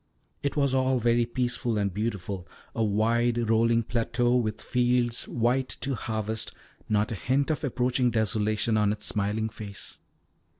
It was all very peaceful and beautiful, a wide rolling plateau, with fields white to harvest, not a hint of approaching desolation on its smiling face.